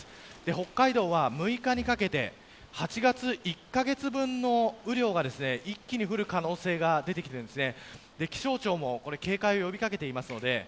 北海道は６日にかけて８月１カ月分の雨量が一気に降る可能性が出てきています。